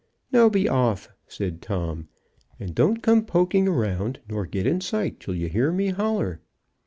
"Now be off," said Tom, "and don't come poking around, nor get in sight, till you hear me holler."